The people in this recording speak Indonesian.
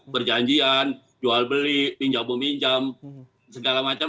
berjanjian jual beli pinjam beminjam segala macam